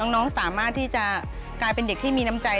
น้องสามารถที่จะกลายเป็นเด็กที่มีน้ำใจ